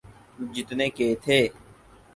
جتنے کے تھے۔